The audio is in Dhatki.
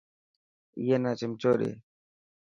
اي نا چمچو ڏي.